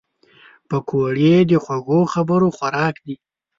پکورې د خوږو خبرو خوراک دي